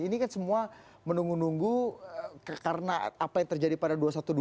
ini kan semua menunggu nunggu karena apa yang terjadi pada dua ribu satu ratus dua puluh dua